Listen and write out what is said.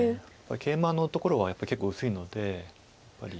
ケイマのところはやっぱり結構薄いので。